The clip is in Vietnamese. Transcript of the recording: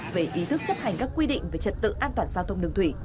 về ý thức chấp hành các quy định về trật tự an toàn giao thông đường thủy